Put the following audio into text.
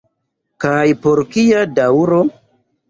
Kaj por kia daŭro.